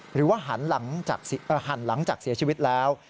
หรือว่าหันหลังจากเสียชีวิตแล้ว